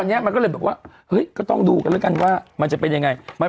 แล้วมันก็เลยว่ากระตุรการก็ต้องดูกันแล้วกันว่าจะเป็นยังไง